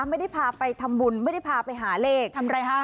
ไม่ได้พาไปทำบุญไม่ได้พาไปหาเลขทำอะไรฮะ